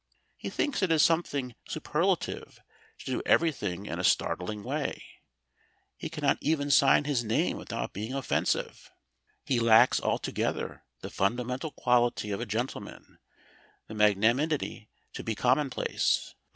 He thinks it is something superlative to do everything in a startling way. He cannot even sign his name without being offensive. He lacks altogether the fundamental quality of a gentleman, the magnanimity to be commonplace.